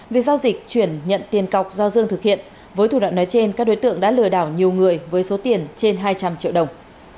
vì giao dịch chuyển nhận tiền cọc do dương thực hiện với thủ đoạn nói trên các đối tượng đã lừa đảo nhiều người với số tiền trên hai trăm linh triệu đồng